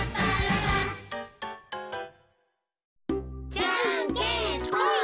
じゃんけんぽん！